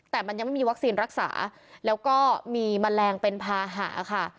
แต่มันยังไม่มีวัคซีนรักษาแล้วก็มีแมลงเป็นภาหะค่ะ